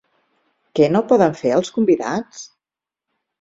Què no poden fer els convidats?